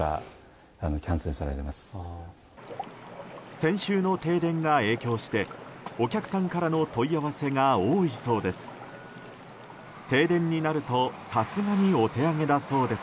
先週の停電が影響してお客さんからの問い合わせが多いそうです。